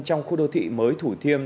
trong khu đô thị mới thủ thiêm